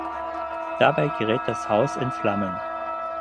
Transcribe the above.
Dabei gerät das Haus in Flammen.